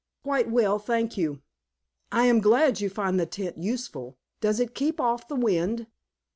"Quite well, thank you." "I am glad you find the tent useful. Does it keep off the wind?"